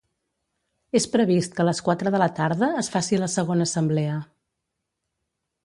És previst que a les quatre de la tarda es faci la segona assemblea.